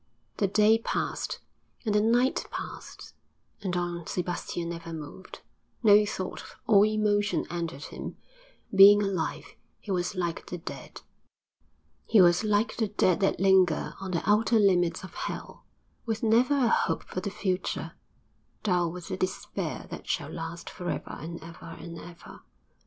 The day passed, and the night passed, and Don Sebastian never moved no thought or emotion entered him; being alive, he was like the dead; he was like the dead that linger on the outer limits of hell, with never a hope for the future, dull with the despair that shall last for ever and ever and ever.